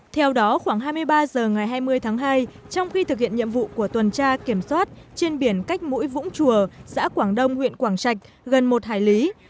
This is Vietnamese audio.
theo đó khoảng hai mươi ba h ngày hai mươi tháng hai trong khi thực hiện nhiệm vụ của tuần tra kiểm soát trên biển cách mũi vũng chùa xã quảng đông huyện quảng trạch gần một hải lý